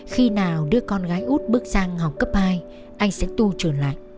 khi nào đứa con gái út bước sang học cấp hai anh sẽ tu trưởng lại